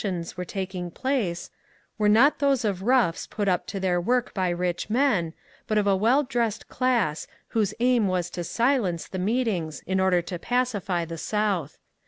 o EMERSON ADDRESSES A MOB 321 were taking place, were not those of roughs put up to their work by rich men, but of a well dressed class, whose aim was to silence the meetings in order to pacify the South.